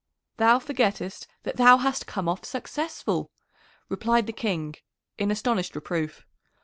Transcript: "Thou forgettest that thou hast come off successful," replied the King in astonished reproof.